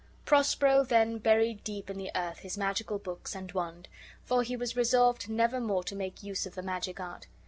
Prospero then buried deep in the earth his magical books and wand, for he was resolved never more to make use of the magic art.